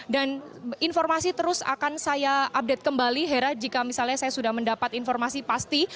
dan informasi terus akan saya update kembali hera jika misalnya saya sudah mendapat informasi pasti